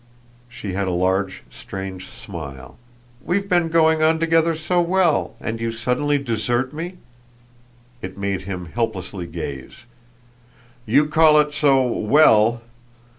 She had a large strange smile. "We've been going on together so well, and you suddenly desert me?" It made him helplessly gaze. "You call it so 'well'?